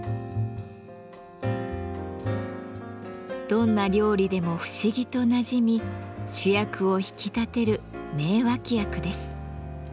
どんな料理でも不思議となじみ主役を引き立てる名脇役です。